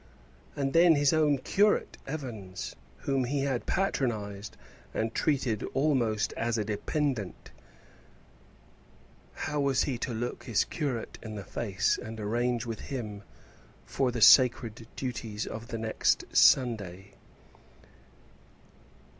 And then his own curate, Evans, whom he had patronized, and treated almost as a dependant how was he to look his curate in the face and arrange with him for the sacred duties of the next Sunday?